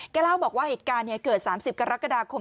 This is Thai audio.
เล่าบอกว่าเหตุการณ์เกิด๓๐กรกฎาคม